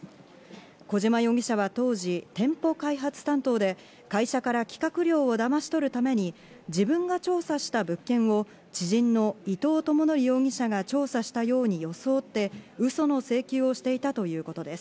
小島容疑者は当時、店舗開発の担当で、会社から企画料をだまし取るために自分が調査した物件を知人の伊藤智則容疑者が調査したように装ってうその請求をしていたということです。